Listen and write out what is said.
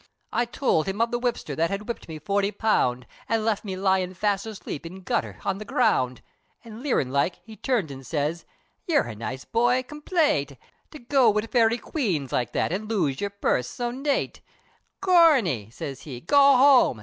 I towld him of the whipsther, that Had whipped me forty pound, An' left me lyin' fast asleep, In gutther, on the ground. Then leerin' like, he turned, and siz, "You're a nice boy! complate! To go wid Fairy Queens, like that, An' lose yer purse, so nate. Corney!" siz he, "go home!"